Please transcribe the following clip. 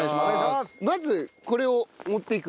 まずこれを持っていく？